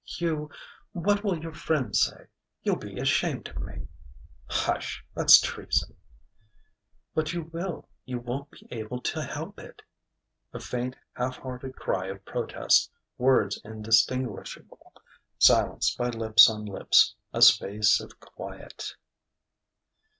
"You.... What will your friends say?... You'll be ashamed of me." "Hush! That's treason." "But you will you won't be able to help it " A faint, half hearted cry of protest: words indistinguishable, silenced by lips on lips; a space of quiet....